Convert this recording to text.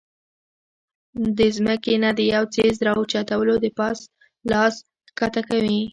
د زمکې نه د يو څيز را اوچتولو د پاره لاس ښکته کوي